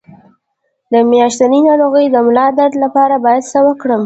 د میاشتنۍ ناروغۍ د ملا درد لپاره باید څه وکړم؟